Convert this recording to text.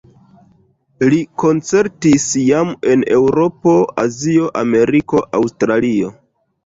Li koncertis jam en Eŭropo, Azio, Ameriko, Aŭstralio.